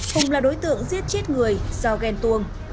hùng là đối tượng giết chết người do ghen tuông